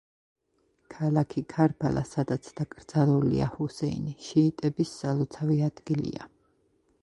ქალაქი ქარბალა, სადაც დაკრძალულია ჰუსეინი, შიიტების სალოცავი ადგილია.